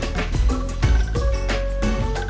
siapa orang dateng kejang loh